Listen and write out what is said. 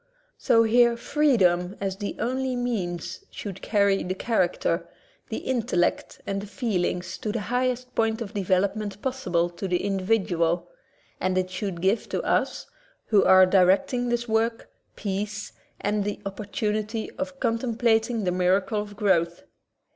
So here freedom as the only means should carry the character, the intellect, and the feelings to the highest point of development possible to the individual, and it should give to us, who are directing this work, peace and the opportunity of contem plating the miracle of growth.